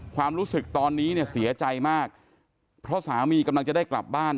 ความรู้สึกตอนนี้เนี่ยเสียใจมากเพราะสามีกำลังจะได้กลับบ้าน